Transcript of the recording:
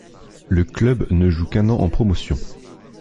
Le club ne joue qu'un an en Promotion.